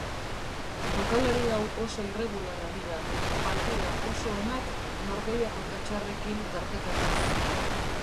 Jokalari hau oso irregular ari da, partida oso onak norgehiagoka txarrekin tartekatuz.